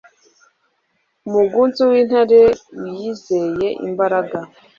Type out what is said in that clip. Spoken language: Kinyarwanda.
umugunzu w intare wiyizeye imbaraga